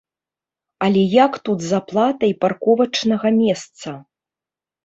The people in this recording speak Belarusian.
Але як тут з аплатай парковачнага месца?